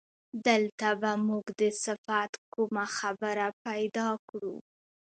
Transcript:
دلته به موږ د صفت کومه خبره پیدا کړو.